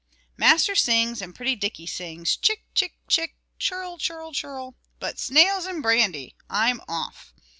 Master sings, and pretty Dickie sings Chick, chick, chick; chirl, chirl, chirl. But, snails and brandy! I'm off."